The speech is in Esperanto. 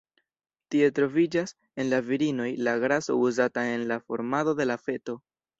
Tie troviĝas, en la virinoj, la graso uzata en la formado de la feto.